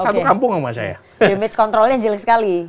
damage controlnya jelek sekali